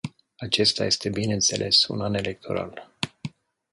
Acesta este, bineînțeles, un an electoral.